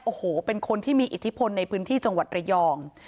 โอ้โหเป็นคนที่มีอิทธิพลในพื้นที่จังหวัดระยอง